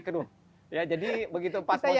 keduh ya jadi begitu pas mau